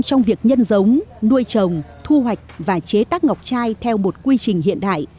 trong việc nhân giống nuôi trồng thu hoạch và chế tác ngọc chai theo một quy trình hiện đại